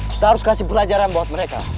kita harus kasih pelajaran buat mereka